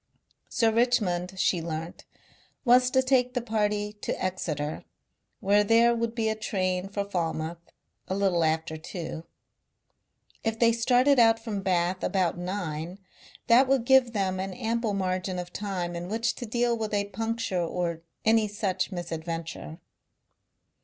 Sir Richmond, she learnt, was to take the party to Exeter, where there would be a train for Falmouth a little after two. If they started from Bath about nine that would give them an ample margin of time in which to deal with a puncture or any such misadventure.